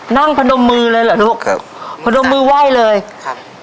นั่งพันดมมือเลยเหรอลูกเกือบพันดมมือไหว้เลยครับ